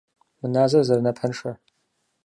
- Мы назэр зэрынапэншэ!